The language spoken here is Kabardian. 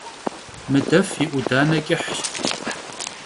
Mıdef yi 'udane ç'ıhş.